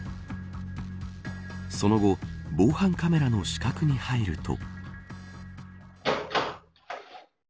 その後防犯カメラの死角に入ると。